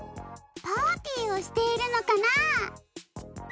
パーティーをしているのかな？